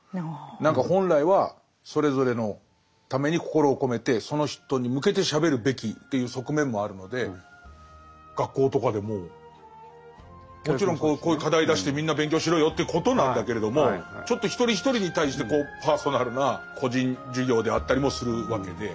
何か本来はそれぞれのために心を込めてその人に向けてしゃべるべきという側面もあるので学校とかでももちろんこういう課題出してみんな勉強しろよということなんだけれどもちょっと一人一人に対してパーソナルな個人授業であったりもするわけで。